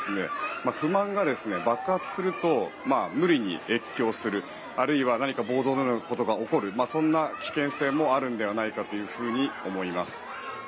こういった方々の不満が爆発すると無理に越境するあるいは何か暴動のようなことが起こるそんな危険性もあるのではないかというふうに思います。